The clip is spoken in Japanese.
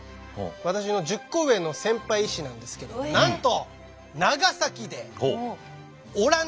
私の１０個上の先輩医師なんですけどなんとえ。